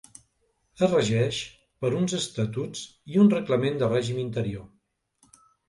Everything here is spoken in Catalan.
Es regeix per uns estatuts i un reglament de règim interior.